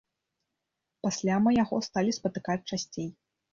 Пасля мы яго сталі спатыкаць часцей.